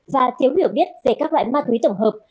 và thiếu hiểu biết về các loại ma túy tổng hợp